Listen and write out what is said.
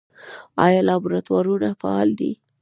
آیا لابراتوارونه فعال دي؟